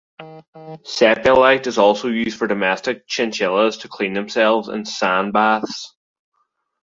Sepiolite is also used for domestic chinchillas to clean themselves in 'sand baths'.